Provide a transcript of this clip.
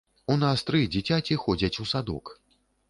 У нас тры дзіцяці ходзяць у садок.